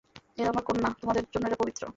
এরা আমার কন্যা, তোমাদের জন্যে এরা পবিত্র।